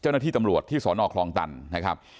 เจ้าหน้าที่ตำรวจที่สอนอคลองตันนะครับ